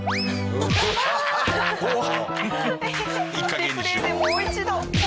リプレイでもう一度。